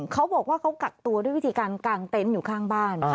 เขาบอกว่าเขากักตัวด้วยวิธีการกางเต็นต์อยู่ข้างบ้าน